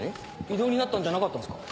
異動になったんじゃなかったんすか？